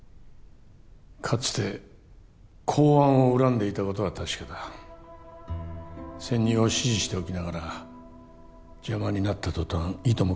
かつて公安を恨んでいたことは確かだ潜入を指示しておきながら邪魔になった途端いとも